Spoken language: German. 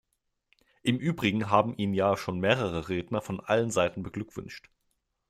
Im übrigen haben ihm ja schon mehrere Redner von allen Seiten beglückwünscht.